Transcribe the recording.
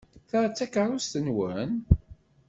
Ta d takeṛṛust-nwen?